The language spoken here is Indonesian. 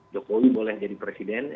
jokowi boleh jadi presiden